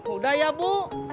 udah ya bu